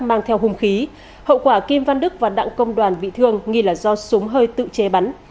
mang theo hung khí hậu quả kim văn đức và đặng công đoàn bị thương nghi là do súng hơi tự chế bắn